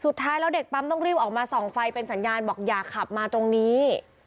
สุดท้ายแล้วเด็กปั๊มต้องรีบออกมาส่องไฟเป็นสัญญาณบอกอย่าขับมาตรงนี้